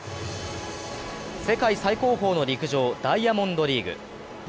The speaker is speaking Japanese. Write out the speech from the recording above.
世界最高峰の陸上ダイヤモンドリーグ。